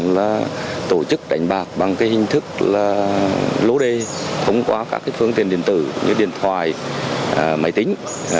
lô đề thông qua các phương tiện điện tử như điện thoại máy tính